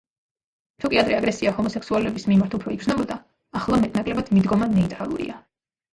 თუკი ადრე აგრესია ჰომოსექსუალების მიმართ უფრო იგრძნობოდა, ახლა მეტ-ნაკლებად მიდგომა ნეიტრალურია.